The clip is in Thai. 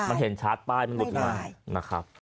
มันเห็นชาร์จป้ายมันหลุดอีกนะ